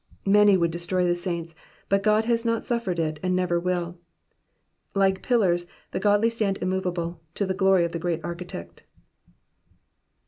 Many would destroy the saints, but God has not suffered it, and never will. Like pillars, the godly stand inmiovable, to the glory of the Great Architect.